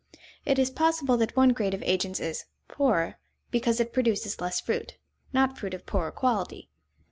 It is possible that one grade of agents is "poorer" because it produces less fruit, not fruit of poorer quality.